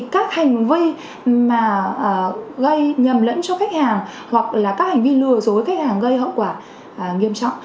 các hành vi mà gây nhầm lẫn cho khách hàng hoặc là các hành vi lừa dối khách hàng gây hậu quả nghiêm trọng